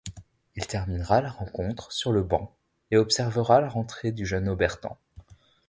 Il terminera la rencontre sur le banc et observera la rentrée du jeune Obertan.